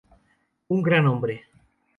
Un gran hombre".